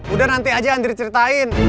udah nanti aja andri ceritain